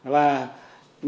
và nếu mà